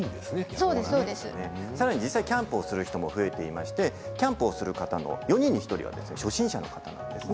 さらに実際にキャンプをする人も増えてきていましてキャンプをする方の４人に１人は初心者の方なんです。